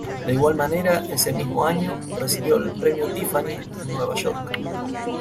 De igual manera ese mismo año, recibió el Premio Tiffany en Nueva York.